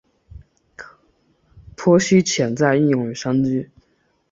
剖析潜在应用与商机